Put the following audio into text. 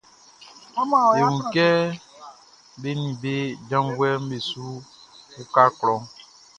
E wun kɛ be nin be janvuɛʼn be su uka klɔʼn.